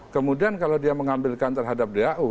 kemudian kalau dia mengambilkan terhadap dau